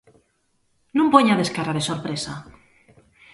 Non poñades cara de sorpresa!